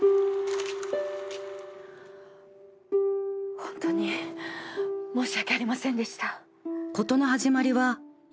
ホントに申し訳ありませんでした。